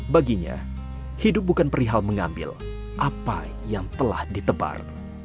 baginya hidup bukan perihal mengambil apa yang telah ditebar